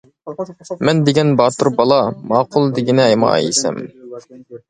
مەن دېگەن باتۇر بالا، ماقۇل دېگىنە مايسەم.